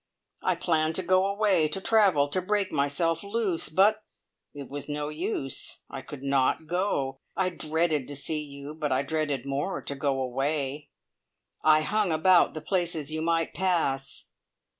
I planned to go away, to travel, to break myself loose; but it was no use, I could not go. I dreaded to see you, but I dreaded more to go away. I hung about the places you might pass.